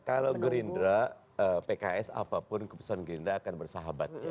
kalau gerindra pks apapun keputusan gerindra akan bersahabat